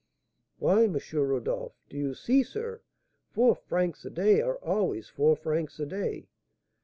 "Why, M. Rodolph, do you see, sir, four francs a day are always four francs a day.